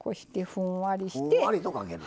ふんわりとかける。